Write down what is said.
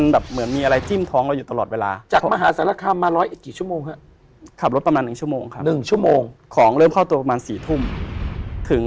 ศุกร์ประมาณ๔๐๐นถึง